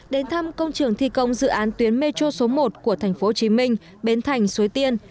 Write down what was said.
đến thăm công trường thi công dự án tuyến metro số một của thành phố hồ chí minh bến thành suối tiên